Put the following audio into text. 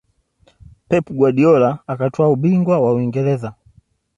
Pep Guardiola akatwaa ubingwa wa Uingereza